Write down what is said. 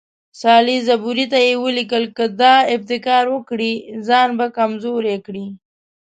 سالیزبوري ته یې ولیکل چې که دا ابتکار وکړي ځان به کمزوری کړي.